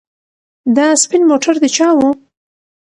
دا سپین موټر د چا و؟